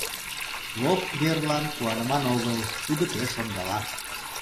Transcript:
— Лоп верлан куаныман огыл, тудо пеш ондала.